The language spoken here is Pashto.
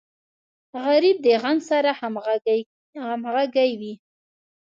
غریب د غم سره همغږی وي